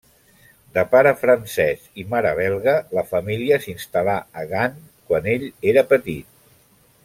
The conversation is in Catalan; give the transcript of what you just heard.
De pare francès i mare belga, la família s'instal·là a Gant quan ell era petit.